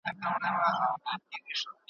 د هرات تاریخي اثار بیارغول سوي وو.